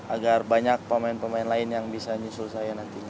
agar banyak pemain pemain lain yang bisa nyusul saya nantinya